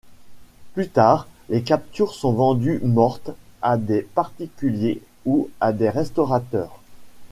Plus tard, les captures sont vendues mortes à des particuliers ou à des restaurateurs.